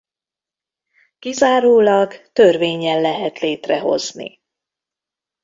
Kizárólag törvénnyel lehet létrehozni.